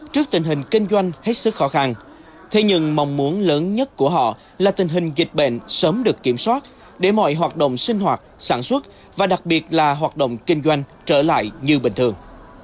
trước tình hình kinh doanh hết sức khó khăn thế nhưng mong muốn lớn nhất của họ là tình hình dịch bệnh sớm được kiểm soát để mọi hoạt động sinh hoạt sản xuất và đặc biệt là hoạt động kinh doanh trở lại như bình thường